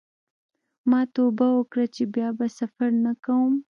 ما توبه وکړه چې بیا به سفر نه کوم.